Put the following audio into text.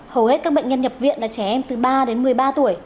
hầu hết các bệnh nhân nhập viện là trẻ em từ ba đến một mươi ba tuổi